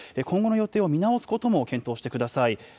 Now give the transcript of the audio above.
今後の予定を見直すことも検討してください。